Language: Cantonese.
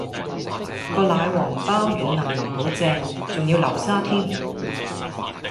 個奶黃飽軟腍腍好正，仲要流沙添